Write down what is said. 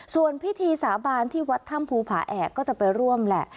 ส่วนพิธีสาบานที่วัดถ้ำภูผาแอกก็จะไปร่วมแหละ